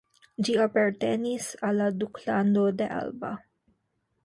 Ĝi apartenis al la Duklando de Alba.